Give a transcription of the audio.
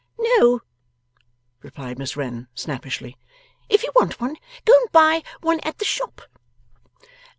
'No,' replied Miss Wren snappishly; 'if you want one, go and buy one at the shop.